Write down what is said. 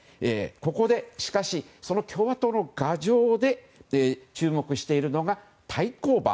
ここでしかし、共和党の牙城で注目しているのが対抗馬